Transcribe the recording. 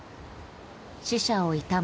死者を悼む